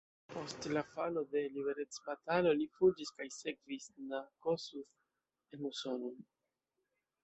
Post la falo de liberecbatalo li fuĝis kaj sekvis na Kossuth en Usonon.